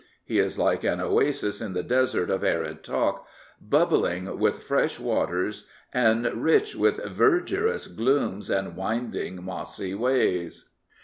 He is like an oasis in the desert of arid talk, bubbling with fresh waters and rich with Verdurous glooms and binding mossy ways.